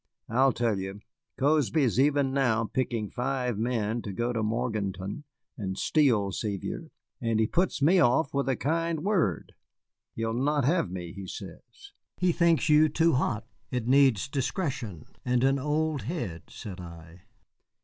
I'll tell you. Cozby is even now picking five men to go to Morganton and steal Sevier, and he puts me off with a kind word. He'll not have me, he says." "He thinks you too hot. It needs discretion and an old head," said I.